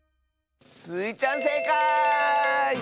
スイちゃんせいかい！